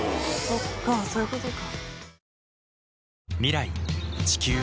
そっかそういう事か。